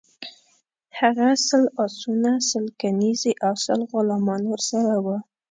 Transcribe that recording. هغه سل آسونه، سل کنیزي او سل غلامان ورسره وه.